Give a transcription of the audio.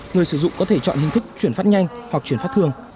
người sử dụng có thể chọn hình thức chuyển phát nhanh hoặc chuyển phát thường